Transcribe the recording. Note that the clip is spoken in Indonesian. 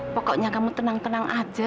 pokoknya kamu tenang tenang aja